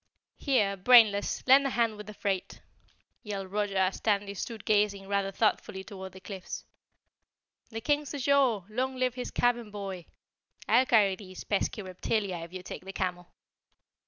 "Here, Brainless, lend a hand with the freight," yelled Roger as Tandy stood gazing rather thoughtfully toward the cliffs. "The King's ashore! Long live his cabin boy! I'll carry these pesky reptilia if you take the camel."